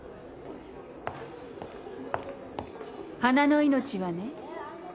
花の命はね。